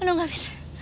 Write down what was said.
aduh gak bisa